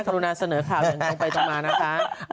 คุณฮันเสนอข่าวอย่างนั้นไปต่อมานะคะ